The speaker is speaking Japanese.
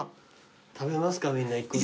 食べますかみんな一個ずつ。